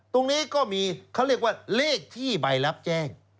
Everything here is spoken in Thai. ตรงนี้ก็มีเขาเรียกว่าเลขที่ใบรับแจ้ง